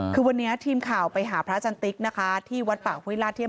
คือวันนี้ทีมข่าวไปหาพระจันติกนะคะที่วัดปหวยลาที่ัม